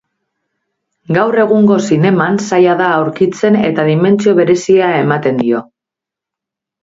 Gaur egungo zineman zaila da aurkitzen eta dimentsio berezia ematen dio.